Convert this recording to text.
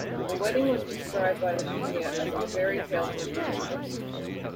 The wedding was described by the media as a A Fairy Tale for Grown-Ups.